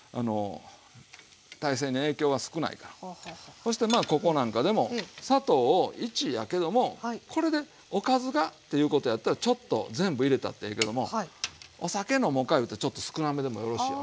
そしてまあここなんかでも砂糖を１やけどもこれでおかずがっていうことやったらちょっと全部入れたってええけどもお酒のもんかいうたらちょっと少なめでもよろしいよね。